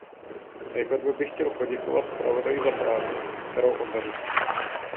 Nejprve bych chtěl poděkovat zpravodaji za práci, kterou odvedl.